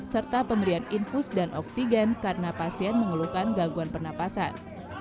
serta pemberian infus dan oksigen karena pasien mengeluhkan gangguan pernapasan